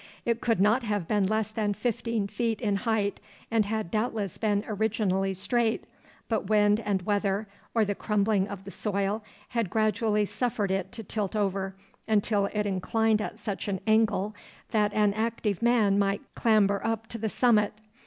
It could not have been less than fifteen feet in height, and had doubtless been originally straight, but wind and weather, or the crumbling of the soil, had gradually suffered it to tilt over until it inclined at such an angle that an active man might clamber up to the summit.